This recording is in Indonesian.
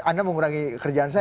anda mengurangi kerjaan saya